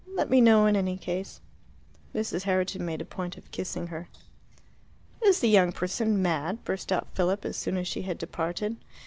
Let me know in any case." Mrs. Herriton made a point of kissing her. "Is the young person mad?" burst out Philip as soon as she had departed.